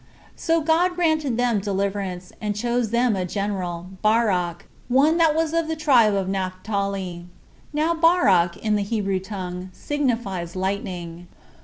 So God granted them deliverance, and chose them a general, Barak, one that was of the tribe of Naphtali. Now Barak, in the Hebrew tongue, signifies Lightning.